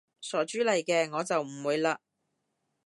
傻豬嚟嘅，我就唔會嘞